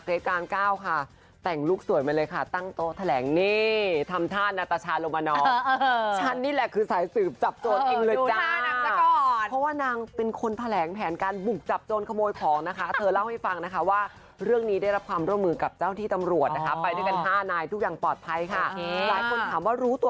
แต่งลูกสวยมาเลยค่ะตั้งโต๊ะแถลงนี่ทำท่านาตชาลงมานอฉันนี่แหละคือสายสืบจับโจรเองเลยจ้านางซะก่อนเพราะว่านางเป็นคนแถลงแผนการบุกจับโจรขโมยของนะคะเธอเล่าให้ฟังนะคะว่าเรื่องนี้ได้รับความร่วมมือกับเจ้าที่ตำรวจนะคะไปด้วยกันห้านายทุกอย่างปลอดภัยค่ะหลายคนถามว่ารู้ตัว